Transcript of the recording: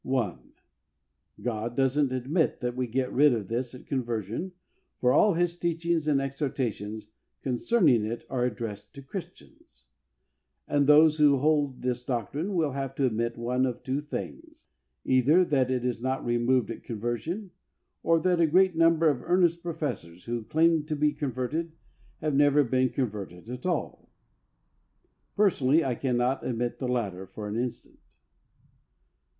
1. God doesn't admit that we get rid of this at conversion, for all His teachings and exhortations con cerning it are addressed to Christians. And those who hold this doctrine will have to admit one of two things — either that it is not removed at conversion, or that a great number of earnest professors who claimed to be converted have never been converted at all. Personally, I cannot admit the latter for an instant.